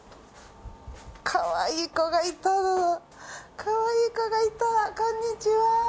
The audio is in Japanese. かわいい子がいたかわいい子がいた。